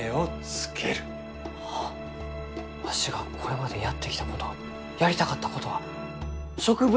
あわしがこれまでやってきたことやりたかったことは植物